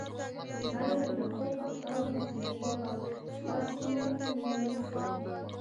همدارنګه نخود او دال د سوریې په الاسود سیمه کې وموندل شول